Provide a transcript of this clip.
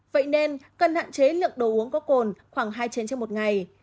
vậy nên cần hạn chế lượng đồ uống có cồn khoảng hai chiến trên một ngày